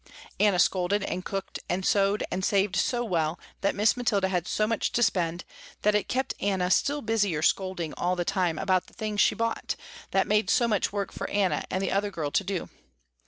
Anna scolded and cooked and sewed and saved so well, that Miss Mathilda had so much to spend, that it kept Anna still busier scolding all the time about the things she bought, that made so much work for Anna and the other girl to do.